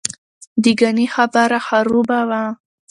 دګنې خبره خروبه وه.